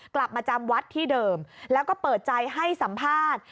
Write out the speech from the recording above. กลับมาจำวัดที่เดิมแล้วก็เปิดใจให้สัมภาษณ์